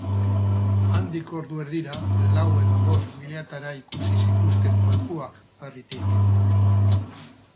Handik ordu erdira, lau edo bost miliatara ikusi zituzten gorpuak ferrytik.